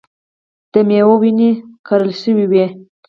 د مېوو ونې کرل شوې وې.